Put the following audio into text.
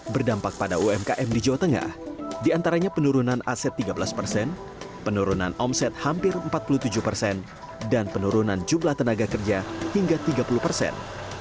berdampak pada umkm di jawa tengah diantaranya penurunan aset tiga belas persen penurunan omset hampir empat puluh tujuh persen dan penurunan jumlah tenaga kerja hingga tiga puluh persen